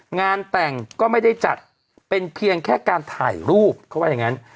งานแต่งก็ไม่ได้จัดเป็นเพียงแค่การถ่ายรูปเขาว่าอย่างนั้น